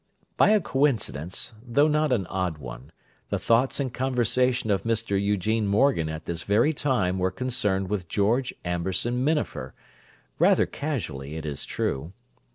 By a coincidence, though not an odd one, the thoughts and conversation of Mr. Eugene Morgan at this very time were concerned with George Amberson Minafer, rather casually, it is true.